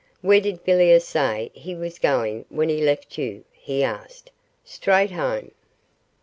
'Where did Villiers say he was going when he left you?' he asked. 'Straight home.